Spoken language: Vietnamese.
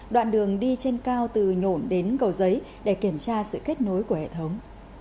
đoạn đường đi trên cao từ nhổn đến cầu giấy để kiểm tra sự kết nối của hệ thống